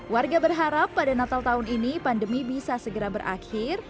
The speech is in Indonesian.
warga berharap pada natal tahun ini pandemi bisa segera berakhir